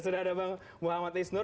sudah ada bang muhammad isnur